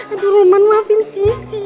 aduh rumah maafin sisi